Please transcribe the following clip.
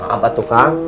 apa tuh kang